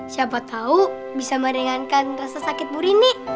siapa tahu bisa meringankan rasa sakit bu rini